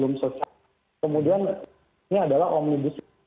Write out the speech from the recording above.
kemudian ini adalah omnibus law